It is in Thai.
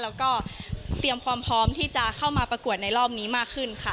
แล้วก็เตรียมความพร้อมที่จะเข้ามาประกวดในรอบนี้มากขึ้นค่ะ